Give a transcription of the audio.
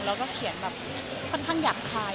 แล้วก็เขียนแบบค่อนข้างหยาบคาย